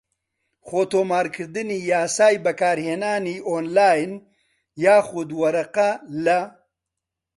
خۆتۆمارکردنی یاسای بەکارهێنانی ئۆنلاین یاخود وەرەقە لە